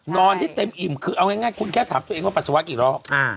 นอนที่เต็มอิ่มเอาง่ายคุณก็คือแค่ตามตัวเองว่าปัสสาวะกี่รอบ